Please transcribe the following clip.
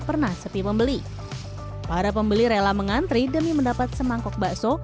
pernah sepi pembeli para pembeli rela mengantri demi mendapat semangkok bakso